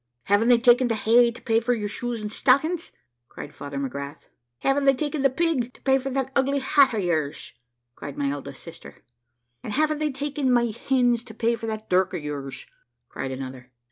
`Haven't they taken the hay to pay for your shoes and stockings?' cried Father McGrath. `Haven't they taken the pig to pay for that ugly hat of yours?' cried my eldest sister. `And haven't they taken my hens to pay for that dirk of yours?' cried another.